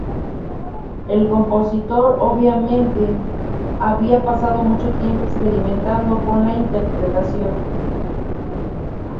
El compositor obviamente había pasado mucho tiempo experimentando con la interpretación.